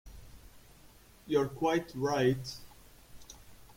You are quite right.